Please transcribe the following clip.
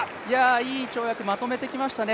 いい跳躍まとめてきましたね。